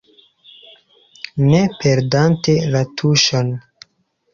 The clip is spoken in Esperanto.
Ne perdante la tuŝon.